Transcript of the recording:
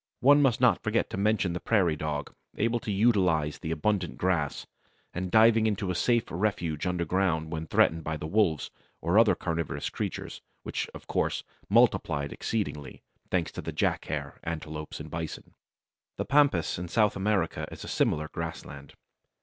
One must not forget to mention the prairie dog able to utilize the abundant grass, and diving into a safe refuge underground when threatened by the wolves or other carnivorous creatures, which, of course, multiplied exceedingly, thanks to the jack hare, antelopes, and bisons. The Pampas in South America is a similar grassland.